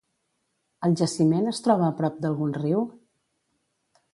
El jaciment es troba a prop d'algun riu?